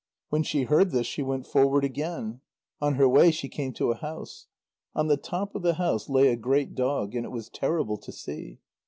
When she heard this she went forward again. On her way she came to a house. On the top of the house lay a great dog, and it was terrible to see.